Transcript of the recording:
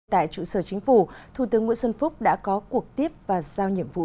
tại trụ sở chính phủ thủ tướng nguyễn xuân phúc đã có cuộc tiếp và giao nhiệm vụ